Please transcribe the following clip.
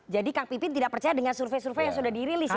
jadi kak pipit tidak percaya dengan survei survei yang sudah dirilis ya